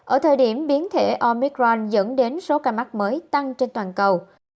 ở thời điểm biến thể omicron dẫn đến số ca mắc mới tăng trên toàn cầu